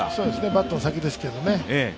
バットの先ですけどね。